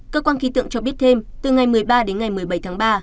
cơ quan khí tượng cho biết thêm từ ngày một mươi ba đến ngày một mươi bảy tháng ba